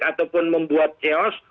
ataupun membuat chaos